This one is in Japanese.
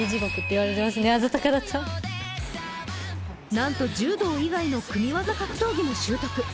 なんと柔道以外の組技格闘技も習得。